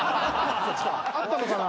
会ったのかな？